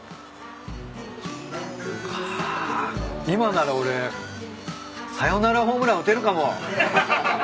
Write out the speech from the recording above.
今なら俺サヨナラホームラン打てるかも。